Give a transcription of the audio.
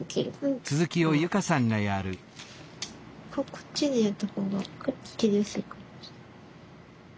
こっちでやった方が切りやすいかも。